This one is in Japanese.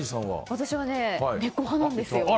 私は、猫派なんですよ。